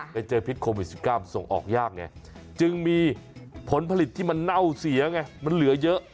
ไปเจอพิษโควิด๑๙ส่งออกยากไงจึงมีผลผลิตที่มันเน่าเสียไงมันเหลือเยอะ